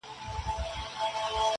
وخت سره زر دي او ته باید زرګر اوسي,